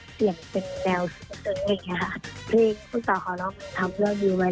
เพลงพี่สาวขอร้องทำเรื่องดีไหม